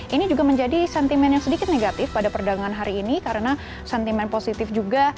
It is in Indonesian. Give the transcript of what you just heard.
ini juga menjadi sentimen yang sedikit negatif pada perdagangan hari ini karena sentimen positif juga